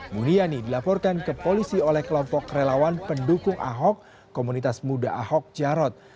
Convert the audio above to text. buniani dilaporkan ke polisi oleh kelompok relawan pendukung ahok komunitas muda ahok jarot